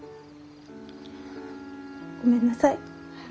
ごめんなさい。